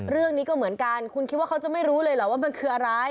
เรื่องนี้ก็เหมือนกันคุณคิดว่าเขาจะไม่รู้เลยเหรอว่ามันคืออะไร